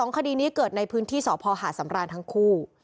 คดีนี้เกิดในพื้นที่สพหาดสำรานทั้งคู่